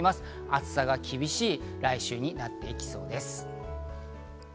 暑さが厳しい来週になっていきそうです。